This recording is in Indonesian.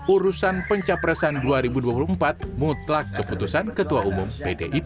urusan pencapresan dua ribu dua puluh empat mutlak keputusan ketua umum pdip